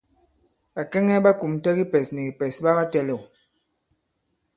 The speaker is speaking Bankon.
Bàkɛŋɛ ɓa kùmtɛ kipɛs ni kìpɛ̀s ɓa katɛ̄lɛ̂w.